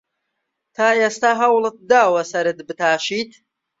تا ئێستا هەوڵت داوە سەرت بتاشیت؟